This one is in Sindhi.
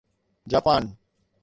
جاپان